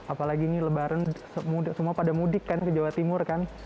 apalagi ini lebaran semua pada mudik kan ke jawa timur kan